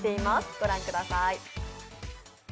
御覧ください。